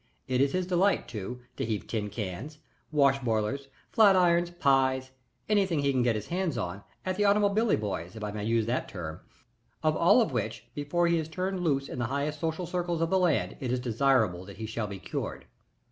It is his delight, too, to heave tin cans, wash boilers, flat irons, pies anything he can lay his hands on at the automobilly boys, if I may use the term, of all of which, before he is turned loose in the highest social circles of the land, it is desirable that he shall be cured."